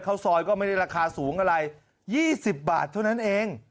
ข้าวซอยก็ไม่ได้ราคาสูงอะไร๒๐บาทเท่านั้นเอง